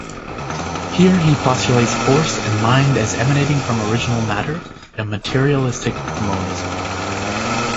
Here he postulates force and mind as emanating from original matter, a materialistic monism.